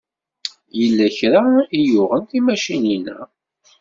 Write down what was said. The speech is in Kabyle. Yella kra ay yuɣen timacinin-a.